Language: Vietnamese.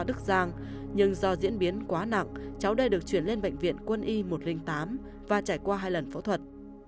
đức giang nhưng do diễn biến quá nặng cháu đây được chuyển lên bệnh viện quân y một trăm linh tám và trải qua hai lần phẫu thuật